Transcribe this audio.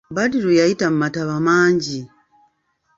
Badru yayita mu mataba mangi.